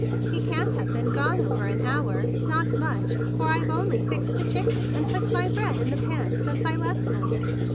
He can't have been gone over an hour, not much; for I've only fixed the chicken and put my bread in the pans since I left him."